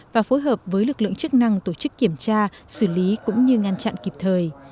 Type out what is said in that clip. và phối hợp với lực lượng chức năng tổ chức kiểm tra xử lý cũng như ngăn chặn kịp thời